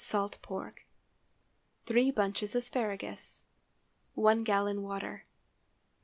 salt pork. 3 bunches asparagus. 1 gallon water.